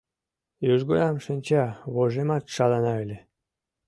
Южгунам шинча вожемат шалана ыле.